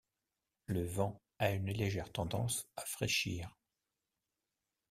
Le vent a une légère tendance à fraîchir.